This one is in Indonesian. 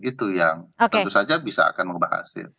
itu yang tentu saja bisa akan mengubah hasil